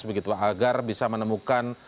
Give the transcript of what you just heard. begitu agar bisa menemukan